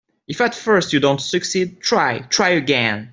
If at first you don't succeed, try, try again.